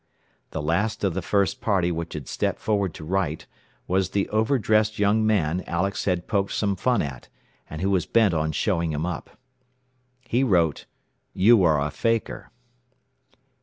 The last of the first party which had stepped forward to write was the over dressed young man Alex had poked some of his fun at, and who was bent on "showing him up." He wrote: "You are a faker."